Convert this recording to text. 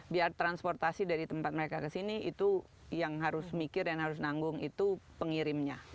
biar transportasi dari tempat mereka ke sini itu yang harus mikir dan harus nanggung itu pengirimnya